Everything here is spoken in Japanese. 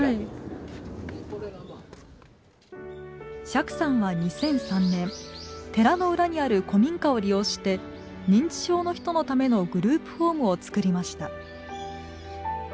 釈さんは２００３年寺の裏にある古民家を利用して認知症の人のためのグループホームをつくりました。